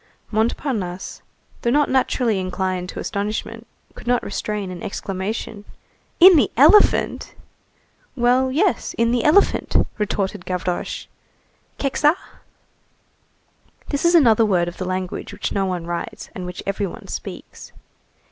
Montparnasse, though not naturally inclined to astonishment, could not restrain an exclamation. "In the elephant!" "Well, yes, in the elephant!" retorted Gavroche. "Kekçaa?" This is another word of the language which no one writes, and which every one speaks.